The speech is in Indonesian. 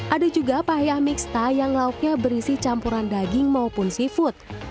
ada juga payah mixta yang lauknya berisi campuran daging maupun seafood